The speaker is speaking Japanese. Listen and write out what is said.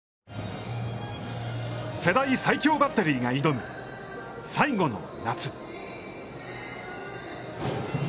世代最強バッテリーが挑む最後の夏。